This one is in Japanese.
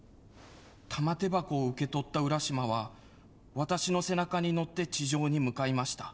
玉手箱を受け取った浦島は私の背中に乗って地上に向かいました。